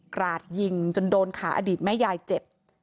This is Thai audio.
กราดยิงจนโดนขาอดีตแม่ยายเจ็บ